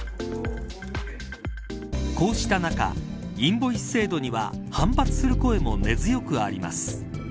こうした中インボイス制度には反発する声も根強くあります。